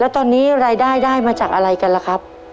แล้วตอนนี้รายได้ได้มาจากอะไรกันล่ะครับ